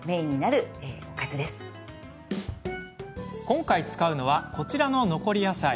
今回、使うのはこちらの残り野菜。